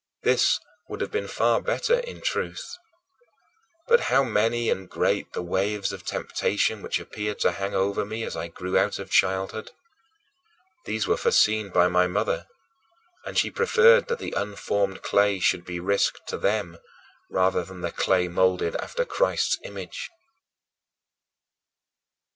This would have been far better, in truth. But how many and great the waves of temptation which appeared to hang over me as I grew out of childhood! These were foreseen by my mother, and she preferred that the unformed clay should be risked to them rather than the clay molded after Christ's image.